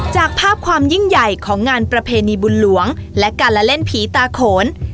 จากภาพความยิ่งใหญ่ของงานประเพณีบุญหลวงและการละเล่นผีตาโขน